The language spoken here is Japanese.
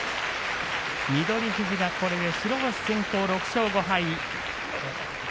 翠富士がこれで白星先行６勝５敗。